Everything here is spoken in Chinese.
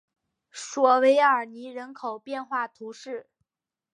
索韦尔尼人口变化图示